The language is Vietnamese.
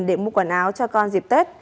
để mua quần áo cho con dịp tết